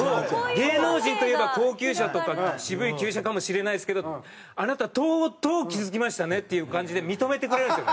芸能人といえば高級車とか渋い旧車かもしれないですけどあなたとうとう気付きましたねっていう感じで認めてくれるんですよね